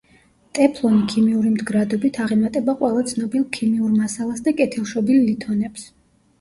ტეფლონი ქიმიური მდგრადობით აღემატება ყველა ცნობილ ქიმიურ მასალას და კეთილშობილ ლითონებს.